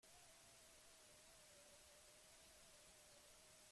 Bi mila eta hamabian hil ziren.